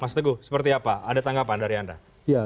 mas teguh seperti apa ada tanggapan dari anda